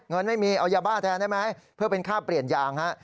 เงินไม่มีเอายาบ้าแทนได้ไหมเพื่อเป็นค่าเปลี่ยนยางฮะ